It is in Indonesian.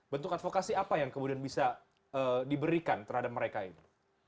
bentuk advokasi apa yang kemudian bisa diberikan terhadap mereka ini